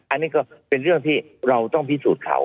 อันนี้ก็เป็นเรื่องที่เราต้องพิสูจน์เขา